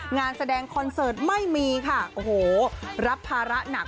งานแสดงคอนเสิร์ตไม่มีค่ะโอ้โหรับภาระหนัก